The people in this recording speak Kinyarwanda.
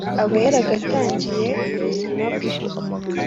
aba yaragutangiye ubuzima bwe.